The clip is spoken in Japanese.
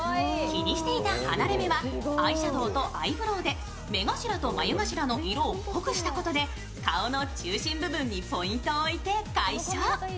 気にしていた離れ目はアイシャドウとアイブロウで目頭と眉頭の色を濃くしたことで顔の中心部分にポイントを置いて解消。